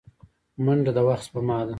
منډه د وخت سپما ده